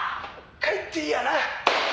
帰っていいやな！